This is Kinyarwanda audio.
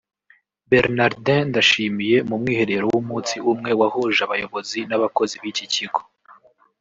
Bernardin Ndashimye mu mwiherero w’umunsi umwe wahuje abayobozi n’abakozi b’iki kigo